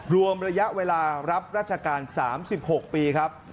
รวมระยะเวลารับราชการ๓๖ปีครับ